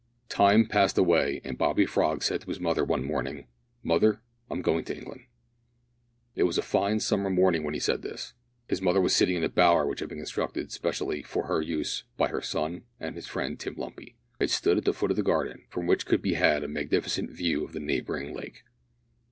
Time passed away, and Bobby Frog said to his mother one morning, "Mother, I'm going to England." It was a fine summer morning when he said this. His mother was sitting in a bower which had been constructed specially for her use by her son and his friend Tim Lumpy. It stood at the foot of the garden, from which could be had a magnificent view of the neighbouring lake.